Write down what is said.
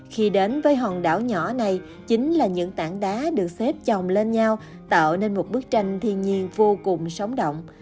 khi đến với hòn đảo nhỏ này chính là những tảng đá được xếp chồng lên nhau tạo nên một bức tranh thiên nhiên vô cùng sóng động